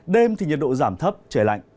đêm thì nhiệt độ giảm thấp trời lạnh